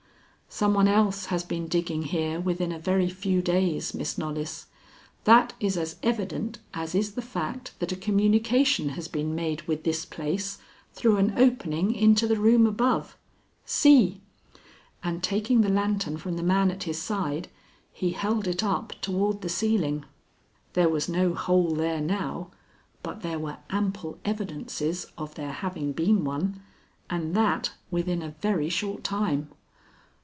"Some one else has been digging here within a very few days, Miss Knollys. That is as evident as is the fact that a communication has been made with this place through an opening into the room above. See!" And taking the lantern from the man at his side, he held it up toward the ceiling. There was no hole there now, but there were ample evidences of there having been one, and that within a very short time.